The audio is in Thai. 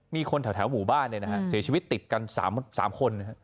มีคนแถวหมู่บ้านเสียชีวิตติดกัน๓คน